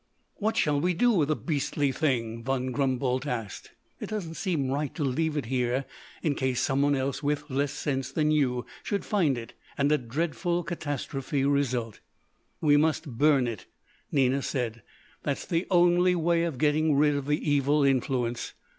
"What shall we do with the beastly thing?" Von Grumboldt asked. "It doesn't seem right to leave it here, in case some one else, with less sense than you, should find it and a dreadful catastrophe result." "We must burn it," Nina said. "That's the only way of getting rid of the evil influence.